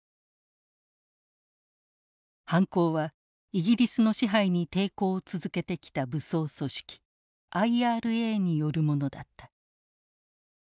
犯行はイギリスの支配に抵抗を続けてきた武装組織ＩＲＡによるものだった。